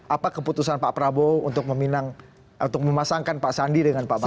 apa keputusan pak prabowo untuk meminang untuk memasangkan pak sandi dengan pak prabowo